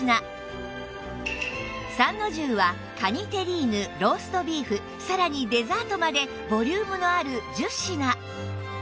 三の重は蟹テリーヌローストビーフさらにデザートまでボリュームのある１０品